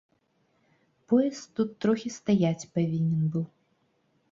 Поезд тут трохі стаяць павінен быў.